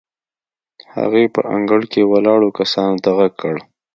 هغې په انګړ کې ولاړو کسانو ته غږ کړ.